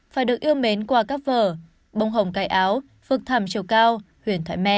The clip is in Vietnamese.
phải được yêu mến qua các vở bông hồng cài áo phước thầm chiều cao huyền thoại mẹ